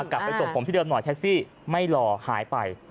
กลับไปส่งผมที่เดิมหน่อยแท็กซี่ไม่รอหายไป